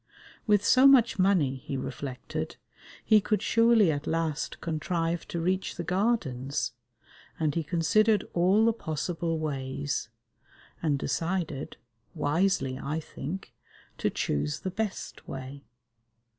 With so much money, he reflected, he could surely at last contrive to reach the Gardens, and he considered all the possible ways, and decided (wisely, I think) to choose the best way.